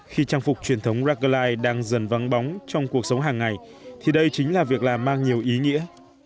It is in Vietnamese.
khi trang phục truyền thống rackline đang dần vắng bóng trong cuộc sống hàng ngày thì đây chính là việc làm mang nhiều ý nghĩa